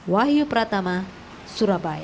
wahyu pratama surabaya